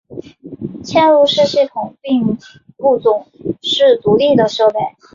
嵌入式系统并不总是独立的设备。